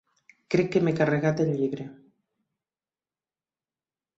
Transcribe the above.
Crec que m'he carregat el llibre.